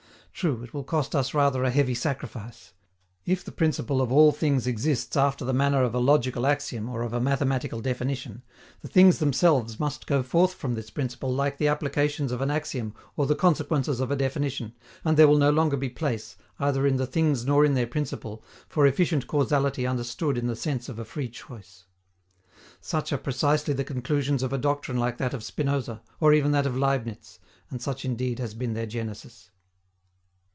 True, it will cost us rather a heavy sacrifice: if the principle of all things exists after the manner of a logical axiom or of a mathematical definition, the things themselves must go forth from this principle like the applications of an axiom or the consequences of a definition, and there will no longer be place, either in the things nor in their principle, for efficient causality understood in the sense of a free choice. Such are precisely the conclusions of a doctrine like that of Spinoza, or even that of Leibniz, and such indeed has been their genesis.